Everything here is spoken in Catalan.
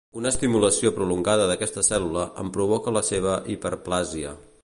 Una estimulació prolongada d'aquesta cèl·lula en provoca la seva hiperplàsia.